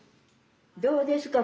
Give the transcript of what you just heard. どうですか？